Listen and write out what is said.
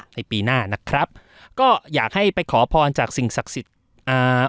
ในปีหน้านะครับก็อยากให้ไปขอพรจากสิ่งศักดิ์สิทธิ์อ่า